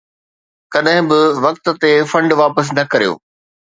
ڪڏهن به وقت تي فنڊ واپس نه ڪريو.